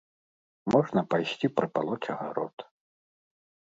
Можна пайсці прапалоць агарод.